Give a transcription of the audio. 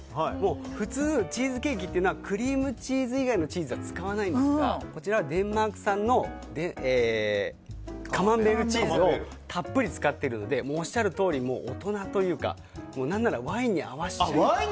普通チーズケーキってクリームチーズ以外のチーズは使わないんですがこちらはデンマーク産のカマンベールチーズをたっぷり使っているのでおっしゃるとおり大人というか何ならワインに合わせるぐらい。